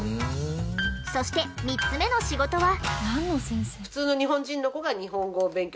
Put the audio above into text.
そして３つ目の仕事は。